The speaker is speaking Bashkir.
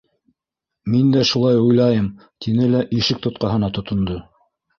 Мин дә шулай уйлайым, - тине лә ишек тотҡаһына тотондо.